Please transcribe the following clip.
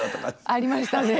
ありましたね。